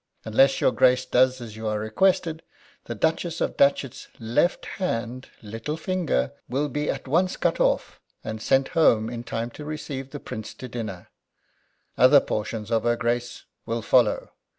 Unless your Grace does as you are requested the Duchess of Datchet's left hand little finger will be at once cut off, and sent home in time to receive the Prince to dinner. Other portions of her Grace will follow.